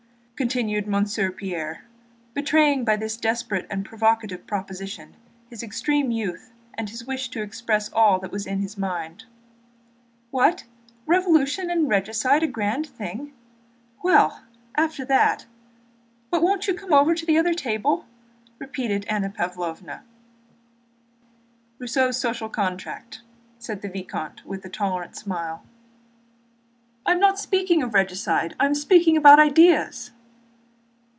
continued Monsieur Pierre, betraying by this desperate and provocative proposition his extreme youth and his wish to express all that was in his mind. "What? Revolution and regicide a grand thing?... Well, after that... But won't you come to this other table?" repeated Anna Pávlovna. "Rousseau's Contrat Social," said the vicomte with a tolerant smile. "I am not speaking of regicide, I am speaking about ideas."